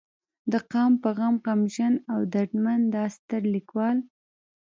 د قام پۀ غم غمژن او درمند دا ستر ليکوال